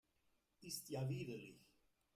Ist ja widerlich